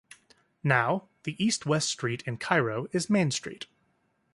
Now, the east-west street in Cairo is Main Street.